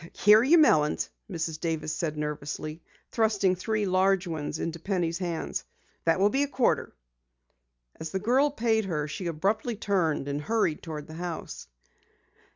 "Here are your melons," Mrs. Davis said nervously, thrusting three large ones into Penny's hands. "That will be a quarter." As the girl paid her, she abruptly turned and hurried toward the house.